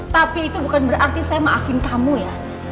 tapi itu bukan berarti saya maafin kamu ya